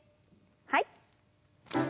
はい。